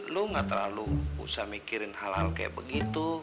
lu gak terlalu usah mikirin hal hal kayak begitu